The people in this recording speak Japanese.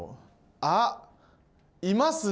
あっいますね。